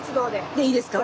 でいいですか？